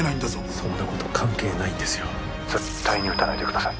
そんなこと関係ないんですよ絶対に撃たないでください